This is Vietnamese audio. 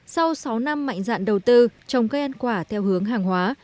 sau sáu năm mạnh dạn đầu tư trồng cây ăn quả theo hướng hàng hóa